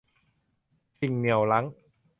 สิ่งเหนี่ยวรั้ง